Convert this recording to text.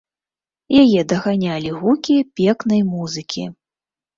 Яе даганялі гукі пекнай музыкі.